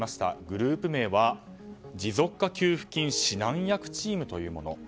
グループ名は持続化給付金指南役チーム。